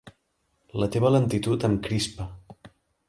La teva lentitud em crispa!